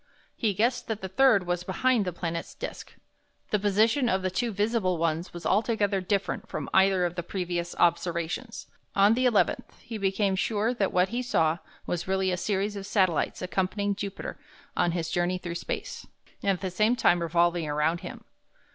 He guessed that the third was behind the planet's disk. The position of the two visible ones was altogether different from either of the previous observations. On the 11th he became sure that what he saw was really a series of satellites accompanying Jupiter on his journey through space, and at the same time revolving around him.